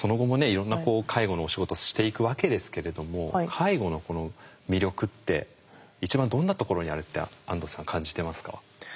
いろんな介護のお仕事していくわけですけれども介護の魅力って一番どんなところにあるって安藤さん感じてますか？